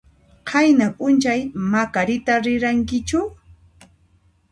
Qayna p'unchay Macarita rirankichu?